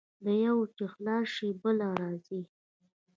له یوه چې خلاص شې، بل راځي.